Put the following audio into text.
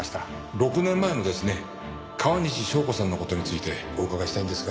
６年前のですね川西祥子さんの事についてお伺いしたいんですが。